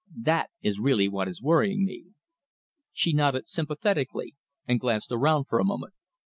That is really what is worrying me." She nodded sympathetically and glanced around for a moment.